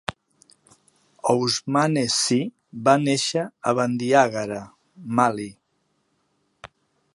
Ousmane Sy va néixer a Bandiagara, Mali.